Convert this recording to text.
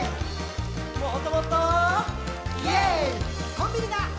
「コンビニだ！